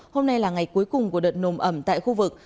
hôm nay là ngày cuối cùng của đợt nồm ẩm tại khu vực